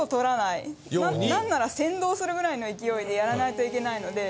なんなら先導するぐらいの勢いでやらないといけないので。